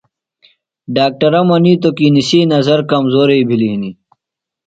ڈاکٹرہ منیتوۡ کی نِسی نظر کمزوئی بِھلیۡ ہِنیۡ۔